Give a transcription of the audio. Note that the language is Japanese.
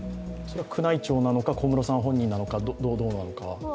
宮内庁なのか、小室さん本人なのかどうなのか。